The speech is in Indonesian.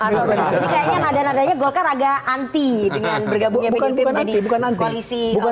ini kayaknya nada nadanya golkar agak anti dengan bergabungnya pdip menjadi koalisi